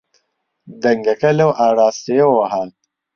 دەنگەکە لەو ئاراستەیەوە هات.